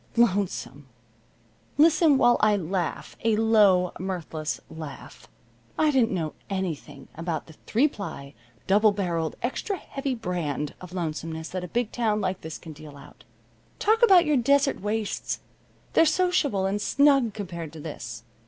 Lonesome! Listen while I laugh a low mirthless laugh. I didn't know anything about the three ply, double barreled, extra heavy brand of lonesomeness that a big town like this can deal out. Talk about your desert wastes! They're sociable and snug compared to this.